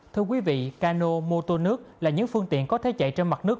thưa quý vị cano mô tô nước là những phương tiện có thể chạy trên mặt nước